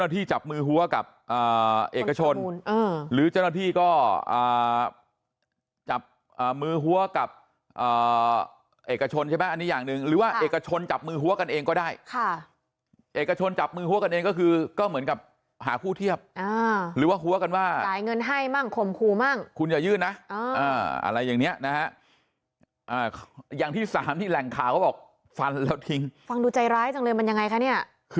ที่จับมือหัวกับเอกชนหรือเจ้าหน้าที่ก็จับมือหัวกับเอกชนใช่ไหมอันนี้อย่างหนึ่งหรือว่าเอกชนจับมือหัวกันเองก็ได้ค่ะเอกชนจับมือหัวกันเองก็คือก็เหมือนกับหาคู่เทียบหรือว่าหัวกันว่าจ่ายเงินให้มั่งข่มขู่มั่งคุณอย่ายื่นนะอะไรอย่างนี้นะฮะอย่างที่สามที่แหล่งข่าวเขาบอกฟันแล้วทิ้งฟังดูใจร้ายจังเลยมันยังไงคะเนี่ย